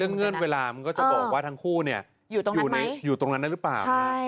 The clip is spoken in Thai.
เงื่อนเวลามันก็จะบอกว่าทั้งคู่อยู่ตรงนั้นได้หรือเปล่า